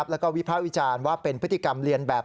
แล้วก็วิภาควิจารณ์ว่าเป็นพฤติกรรมเรียนแบบ